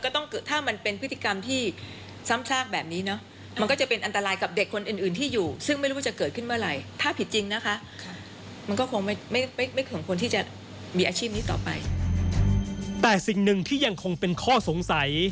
แต่สิ่งหนึ่งที่ยังคงเป็นข้อสงสัย